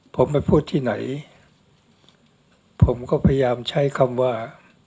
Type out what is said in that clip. ผมไปพูดที่ไหนผมก็พยายามใช้คำว่า